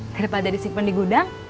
daripada di sipen di gudang